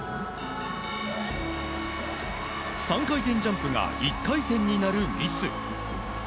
３回転ジャンプが１回転になるミス。